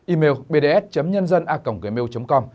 email bds nhân dân a gmail com